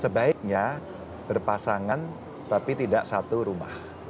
sebaiknya berpasangan tapi tidak satu rumah